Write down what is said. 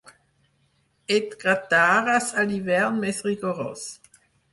Et gratares a l'hivern més rigorós.